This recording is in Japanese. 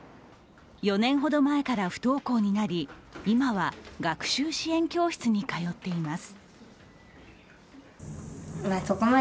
４年ほど前から不登校になり今は学習支援教室に通っています。